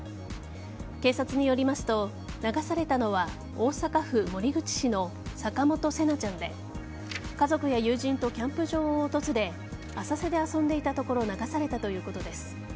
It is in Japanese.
警察によりますと流されたのは大阪府守口市の坂本聖凪ちゃんで家族や友人とキャンプ場を訪れ浅瀬で遊んでいたところ流されたということです。